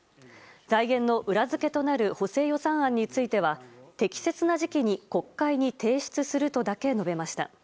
財源のの裏付けとなる補正予算案については適切な時期に国会に提出するとだけ述べました。